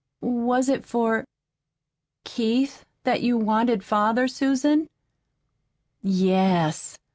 "Was it for Keith that you wanted father, Susan?" "Yes."